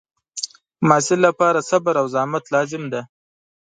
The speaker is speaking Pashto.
د محصل لپاره صبر او زحمت لازم دی.